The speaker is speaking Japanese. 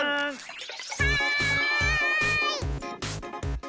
はい！